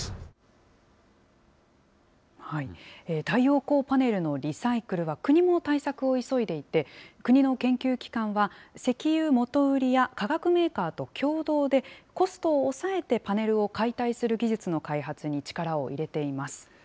太陽光パネルのリサイクルは国も対策を急いでいて、国の研究機関は、石油元売りや化学メーカーと共同で、コストを抑えてパネルを解体する技術の開発に力を入れています。